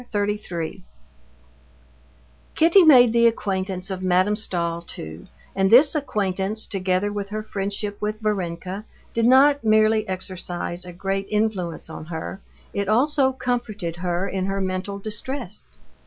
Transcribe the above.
Chapter 33 Kitty made the acquaintance of Madame Stahl too, and this acquaintance, together with her friendship with Varenka, did not merely exercise a great influence on her, it also comforted her in her mental distress.